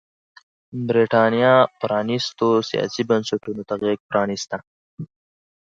برېټانیا پرانيستو سیاسي بنسټونو ته غېږ پرانېسته.